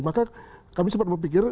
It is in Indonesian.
maka kami sempat berpikir